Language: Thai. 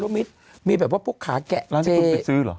ร้านที่คุณไปซื้อหรอ